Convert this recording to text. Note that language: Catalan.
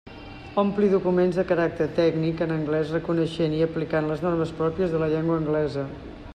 Ompli documents de caràcter tècnic en anglés reconeixent i aplicant les normes pròpies de la llengua anglesa.